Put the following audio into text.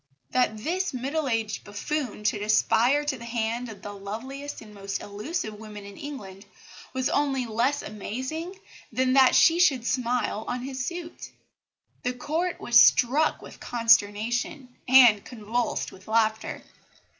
That this middle aged buffoon should aspire to the hand of the loveliest and most elusive woman in England was only less amazing than that she should smile on his suit. The Court was struck with consternation and convulsed with laughter.